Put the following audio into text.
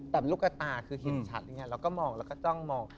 แต่ลูกตาคือเห็นชัดอย่างนี้เราก็มองแล้วก็จ้องมอง